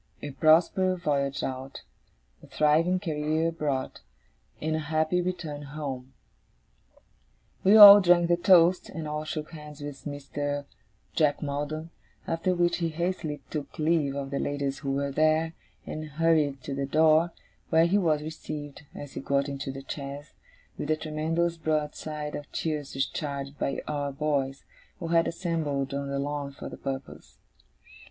'A prosperous voyage out, a thriving career abroad, and a happy return home!' We all drank the toast, and all shook hands with Mr. Jack Maldon; after which he hastily took leave of the ladies who were there, and hurried to the door, where he was received, as he got into the chaise, with a tremendous broadside of cheers discharged by our boys, who had assembled on the lawn for the purpose.